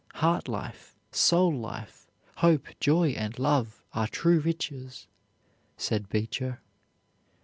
"Heart life, soul life, hope, joy, and love, are true riches," said Beecher.